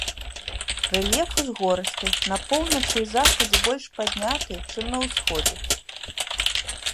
Рэльеф узгорысты, на поўначы і захадзе больш падняты, чым на ўсходзе.